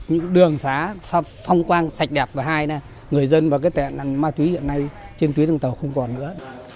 những đường xá phong quang sạch đẹp và hai người dân và cái tệ nạn ma túy hiện nay trên tuyến đường tàu không còn nữa